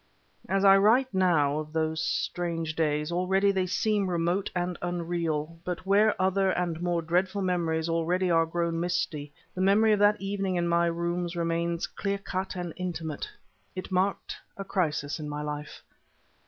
As I write, now, of those strange days, already they seem remote and unreal. But, where other and more dreadful memories already are grown misty, the memory of that evening in my rooms remains clear cut and intimate. It marked a crisis in my life.